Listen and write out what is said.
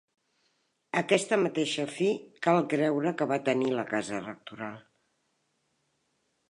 Aquesta mateixa fi cal creure que va tenir la casa rectoral.